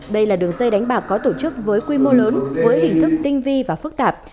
đây là đường dây đánh bạc có tổ chức với quy mô lớn với hình thức tinh vi và phức tạp